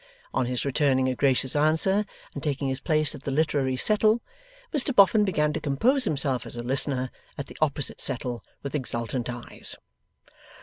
On his returning a gracious answer and taking his place at the literary settle, Mr Boffin began to compose himself as a listener, at the opposite settle, with exultant eyes.